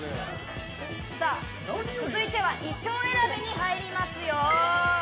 続いては衣装選びに入りますよ。